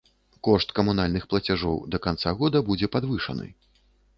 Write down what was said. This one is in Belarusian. Кошт камунальных плацяжоў да канца года будзе падвышаны.